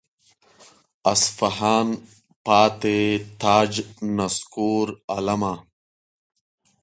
اصفهان پاتې تاج نسکور عالمه.